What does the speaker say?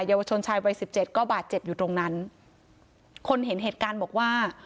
ยาวชนชายวัยสิบเจ็ดก็บาดเจ็บอยู่ตรงนั้นคนเห็นเหตุการณ์บอกว่า